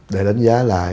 để đánh giá lại